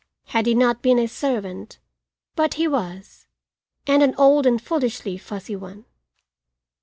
Had he not been a servant but he was, and an old and foolishly fussy one.